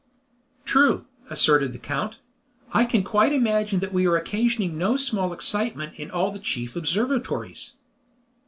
"True," asserted the count. "I can quite imagine that we are occasioning no small excitement in all the chief observatories."